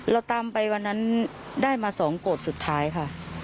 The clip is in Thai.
เราตามไปวันนั้นได้มา๒โกรธสุดท้ายค่ะ